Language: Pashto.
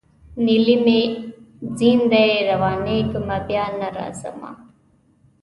نیلی مي ځین دی روانېږمه بیا نه راځمه